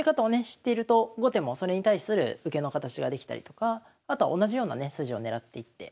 知っていると後手もそれに対する受けの形ができたりとかあとは同じようなね筋を狙っていって。